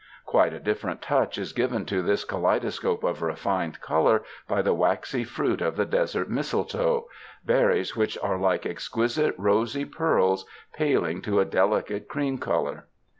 Quite a different touch is given to this kaleidoscope of refined color by the waxy fruit of the desert mistletoe — berries which are like exquisite rosy pearls, paling to a delicate cream color.